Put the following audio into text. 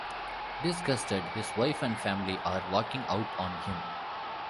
Disgusted, his wife and family are walking out on him.